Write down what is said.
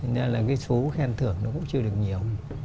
nên là cái số khen thưởng nó cũng chưa được nhiều